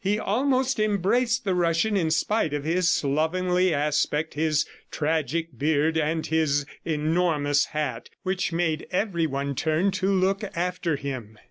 He almost embraced the Russian in spite of his slovenly aspect, his tragic beard and his enormous hat which made every one turn to look after him.